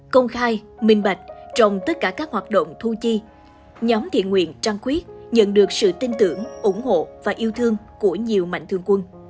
công khai minh bạch trong tất cả các hoạt động thu chi nhóm thiện nguyện trang quyết nhận được sự tin tưởng ủng hộ và yêu thương của nhiều mạnh thường quân